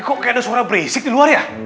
kok kayak ada suara berisik di luar ya